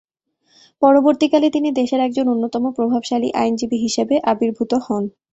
পরবর্তীকালে তিনি দেশের একজন অন্যতম প্রভাবশালী আইনজীবী হিসেবে আবির্ভূত হন।